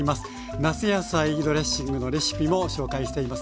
夏野菜ドレッシングのレシピも紹介しています。